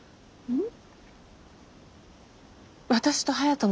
うん。